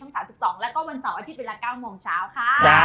และวันเสาร์อาทิตย์เวลา๙๐๐นข้าว